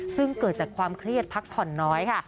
ซึ่งเกิดจากความเครียดพักผ่อนน้อยค่ะ